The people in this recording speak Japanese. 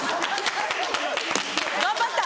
頑張った！